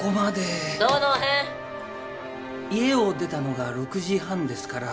家を出たのが６時半ですから。